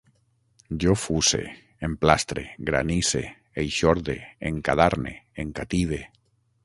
Jo fusse, emplastre, granisse, eixorde, encadarne, encative